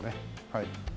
はい。